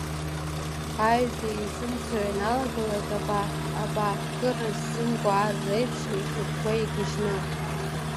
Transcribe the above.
Аҩада изымцо ианалагалак, абаахкыра ззымгоз ар реиԥш, ихьагәгәа игьежьны…